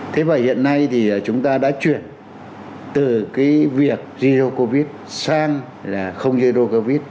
thế và hiện nay thì chúng ta đã chuyển từ cái việc zero covid sang là không zero covid